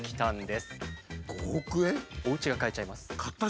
おうちが買えちゃいます。